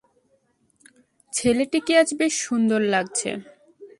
ছেলেটিকে আজ বেশ সুন্দর লাগছে।